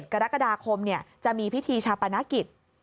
กรกฎาคมจะมีพิธีชาปนกิจ